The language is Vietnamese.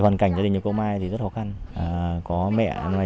hoàn cảnh gia đình của cô mai thì rất khó khăn có mẹ chín mươi ba tuổi